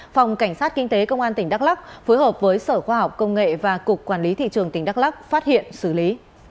phòng cảnh sát kinh tế công an tỉnh đắk lắc phối hợp với sở khoa học công nghệ và cục quản lý thị trường tỉnh đắk lắc phát hiện xử lý